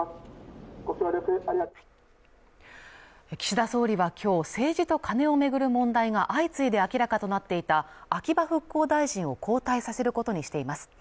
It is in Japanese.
岸田総理はきょう政治とカネを巡る問題が相次いで明らかとなっていた秋葉復興大臣を交代させることにしています